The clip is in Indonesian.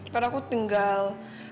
karena aku tinggal